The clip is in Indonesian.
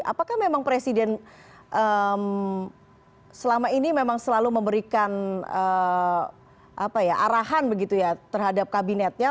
apakah memang presiden selama ini memang selalu memberikan arahan begitu ya terhadap kabinetnya